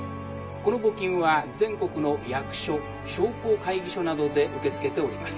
この募金は全国の役所商工会議所などで受け付けております」。